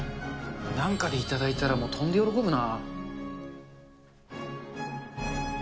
なんかで頂いたら、もう跳んで喜ぶな。